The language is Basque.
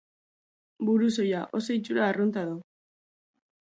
Burusoila, oso itxura arrunta du.